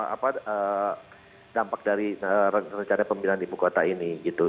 apa dampak dari rencana pemindahan ibu kota ini gitu